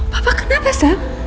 papa kenapa sam